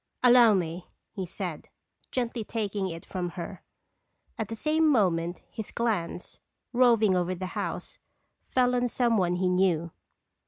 "Allow me," he said, gently taking it from her. At the same moment his glance, roving over the house, fell on some one he knew.